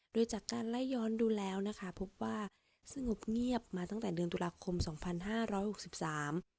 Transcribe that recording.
โดยจากการไล่ย้อนดูแล้วนะคะพบว่าสงบเงียบมาตั้งแต่เดือนตุลาคมสองพันห้าร้อยหกสิบสาม